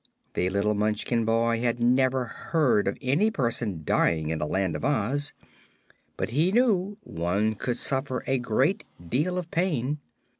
The little Munchkin boy had never heard of any person dying in the Land of Oz, but he knew one could suffer a great deal of pain.